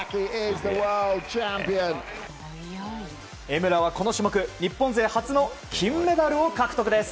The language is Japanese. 江村は、この種目日本勢初の金メダルを獲得です。